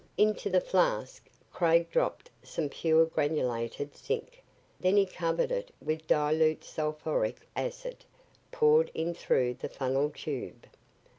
Into the flask, Craig dropped some pure granulated zinc. Then he covered it with dilute sulphuric acid, poured in through the funnel tube.